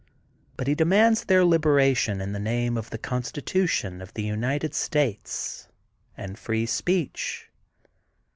But he demands their liberation in the name of the Constitution of the United States and Free Speech.